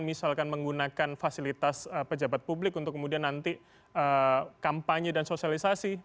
misalkan menggunakan fasilitas pejabat publik untuk kemudian nanti kampanye dan sosialisasi